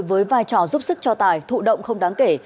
với vai trò giúp sức cho tài thụ động không đáng kể